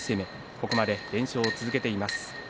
ここまで連勝を続けています。